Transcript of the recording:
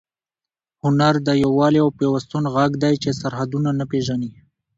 هنر د یووالي او پیوستون غږ دی چې سرحدونه نه پېژني.